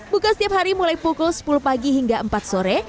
buka setiap hari mulai pukul sepuluh pagi hingga empat sore